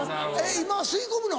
今吸い込むの？